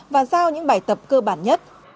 và giao những bài tập cơ bản nhất